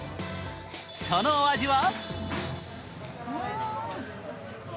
そのお味は？